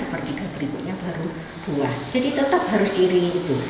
tetapi penyebabnya lebih teruk maka circuit